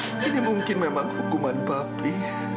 ini mungkin memang hukuman bapri